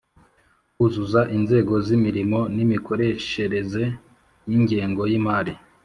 Kuzuza inzego z imirimo n imikoreshereze y ingengo y imari